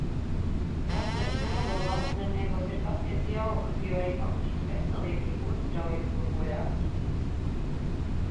Vasaras nogale Vāczemniekos ir patiesi jauka, jo arī papukiņa veselība ļoti strauji uzlabojās.